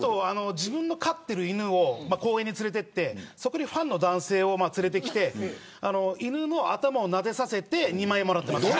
自分の飼っている犬を公園に連れて行ってそこにファンの男性を連れてきて犬の頭をなでさせて２万円もらっています。